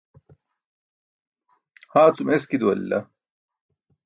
haa cum eski duwalila